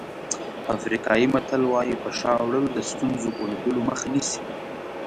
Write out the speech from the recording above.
افریقایي متل وایي په شا وړل د ستونزو پوهېدلو مخه نیسي.